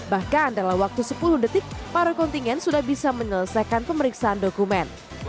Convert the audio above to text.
bahkan dalam waktu sepuluh detik para kontingen sudah bisa menyelesaikan pemeriksaan dokumen